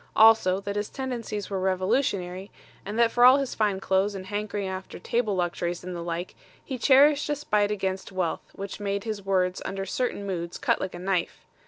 Also, that his tendencies were revolutionary and that for all his fine clothes and hankering after table luxuries and the like, he cherished a spite against wealth which made his words under certain moods cut like a knife.